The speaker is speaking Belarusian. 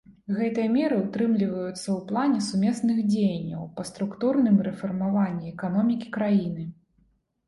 Гэтыя меры ўтрымліваюцца ў плане сумесных дзеянняў па структурным рэфармаванні эканомікі краіны.